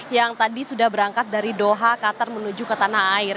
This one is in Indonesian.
yang tadi sudah berangkat dari doha qatar menuju ke tanah air